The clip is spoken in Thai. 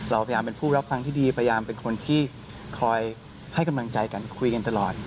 เราพยายามเป็นผู้รับฟังที่ดีพยายามเป็นคนที่คอยให้กำลังใจกันคุยกันตลอด